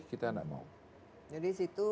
kita nggak mau jadi situ